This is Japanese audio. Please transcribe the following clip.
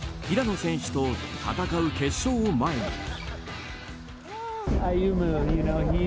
平野選手と戦う決勝を前に。